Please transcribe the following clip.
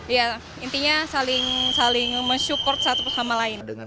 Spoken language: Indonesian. ya intinya saling mensupport satu sama lain